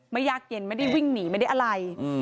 ยากเย็นไม่ได้วิ่งหนีไม่ได้อะไร